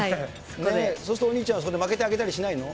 そこでお兄ちゃんはそこで負けてあげたりしないの？